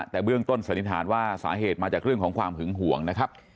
แต่เบื้องต้นสถานิษฐานว่าสาเหตุมาจากความหิวหวงนะครับ